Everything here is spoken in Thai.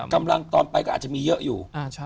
กำลังตอนไปก็อาจจะมีเยอะอยู่